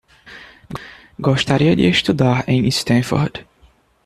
Gostaria de estudar em Stanford?